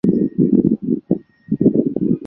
两国的矛盾日深。